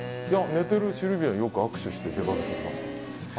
寝てるシルビアによく握手して出かけてます